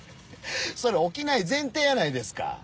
それ起きない前提やないですか。